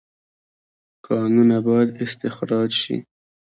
کانونه باید استخراج شي